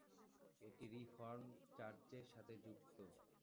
এটি রিফর্মড চার্চের সাথে যুক্ত।